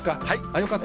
よかった。